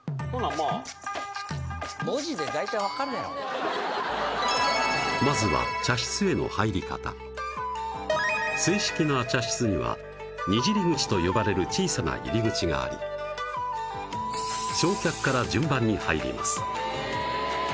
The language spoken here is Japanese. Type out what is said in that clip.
まあまずは正式な茶室にはにじり口と呼ばれる小さな入り口があり正客から順番に入ります